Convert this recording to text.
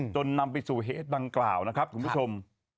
นำไปสู่เหตุดังกล่าวนะครับคุณผู้ชม